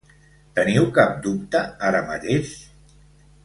Teniu cap dubte ara mateix?